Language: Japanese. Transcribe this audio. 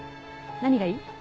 何がいい？